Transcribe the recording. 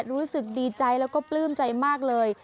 รู้สึกดีใจแล้วก็ปลื้มใจมากเลย